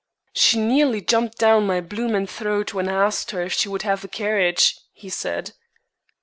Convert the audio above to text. "She nearly jumped down my bloomin' throat when I asked her if she would have the carriage," he said.